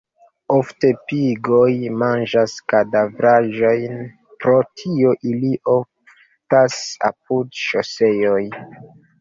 Ofte pigoj manĝas kadavraĵojn; pro tio ili oftas apud ŝoseoj.